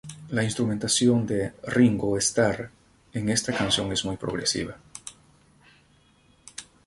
La instrumentación de Ringo Starr en esta canción es muy progresiva.